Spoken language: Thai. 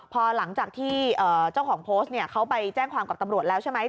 พอหลังจากที่เจ้าของโพสต์เขาไปแจ้งความกับตำรวจแล้วใช่ไหม